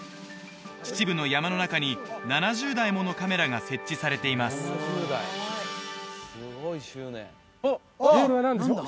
秩父の山の中に７０台ものカメラが設置されていますあっあっあ！